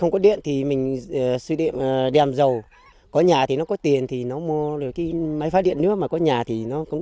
có điện thì